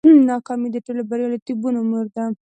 ناکامي د ټولو بریالیتوبونو مور ده.